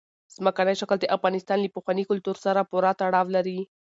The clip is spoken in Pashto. ځمکنی شکل د افغانستان له پخواني کلتور سره پوره تړاو لري.